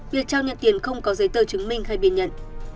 việc trao nhận tiền không có giấy tờ chứng minh hay biên nhận